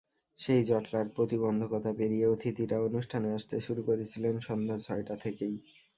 সেই জটলার প্রতিবন্ধকতা পেরিয়ে অতিথিরা অনুষ্ঠানে আসতে শুরু করেছিলেন সন্ধ্যা ছয়টা থেকেই।